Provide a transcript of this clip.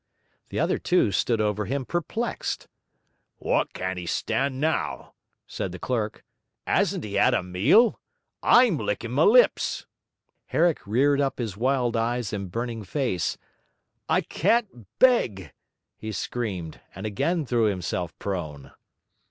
The other two stood over him perplexed. 'Wot can't he stand now?' said the clerk. ''Asn't he 'ad a meal? I'M lickin' my lips.' Herrick reared up his wild eyes and burning face. 'I can't beg!' he screamed, and again threw himself prone.